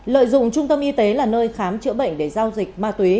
lợi dụng trung tâm y tế là nơi khám chữa bệnh để giao dịch ma túy